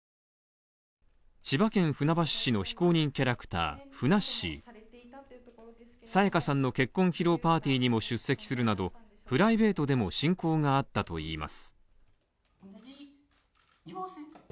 千葉県船橋市の非公認キャラクターふなっしー沙也加さんの結婚披露パーティーにも出席するなど、プライベートでも親交があったといいます。